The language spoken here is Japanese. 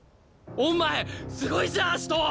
お前すごいじゃアシト！